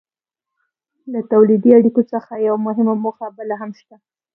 له تولیدي اړیکو څخه یوه مهمه موخه بله هم شته.